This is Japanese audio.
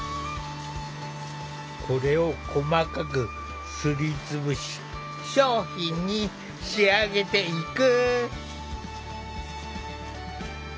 これを細かくすりつぶし商品に仕上げていく。